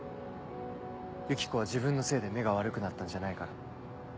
ユキコは自分のせいで目が悪くなったんじゃないから。